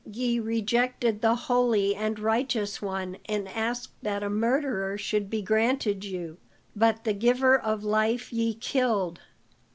Ye rejected the holy and righteous one and asked that a murderer should be granted you; but the giver of life ye killed.